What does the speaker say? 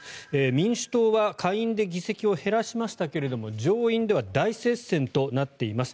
民主党は下院で議席を減らしましたが上院では大接戦となっています。